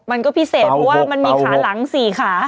มันก็พิเศษเพราะว่ามันมีขาหลัง๔ขา